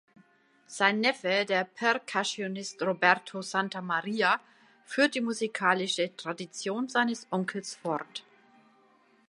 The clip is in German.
Sein Neffe, der Percussionist Roberto Santamaria, führt die musikalische Tradition seines Onkels fort.